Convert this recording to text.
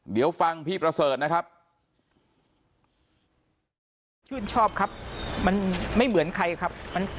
เดี๋ยวฟังพี่ประเสริฐนะครับ